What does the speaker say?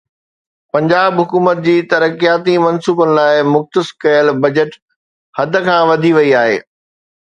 پنجاب حڪومت جي ترقياتي منصوبن لاءِ مختص ڪيل بجيٽ حد کان وڌي وئي آهي